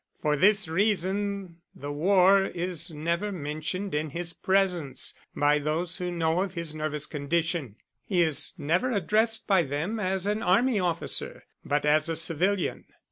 For this reason the war is never mentioned in his presence by those who know of his nervous condition. He is never addressed by them as an army officer, but as a civilian."